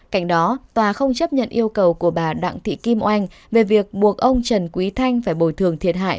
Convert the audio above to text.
cạnh đó tòa không chấp nhận yêu cầu của bà đặng thị kim oanh về việc buộc ông trần quý thanh phải bồi thường thiệt hại